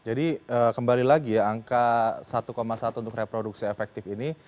jadi kembali lagi ya angka satu satu untuk reproduksi efektif ini